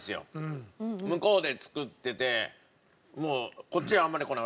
向こうで作っててもうこっちはあんまり来ない。